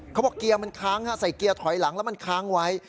เกียร์มันค้างใส่เกียร์ถอยหลังแล้วมันค้างไว้